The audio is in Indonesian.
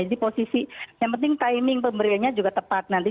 jadi posisi yang penting timing pemberiannya juga tepat nanti